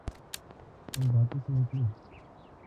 ان باتوں سے نکلیں۔